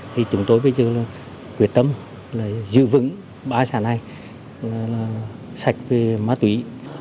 thì chúng tôi bây giờ là quyết tâm giữ vững ba xã này sạch về ma túy